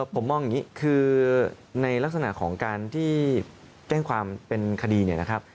ผมมองอย่างนี้คือในลักษณะของการที่แจ้งความเป็นคดีเนี่ยนะครับ